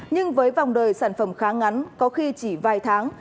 nhưng với vòng đời sản phẩm khá ngắn có khi chỉ vài tháng